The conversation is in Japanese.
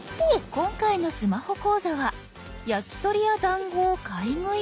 今回のスマホ講座は焼き鳥や団子を買い食い。